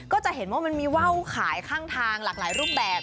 ก็จะเห็นว่ามันมีว่าวขายข้างทางหลากหลายรูปแบบ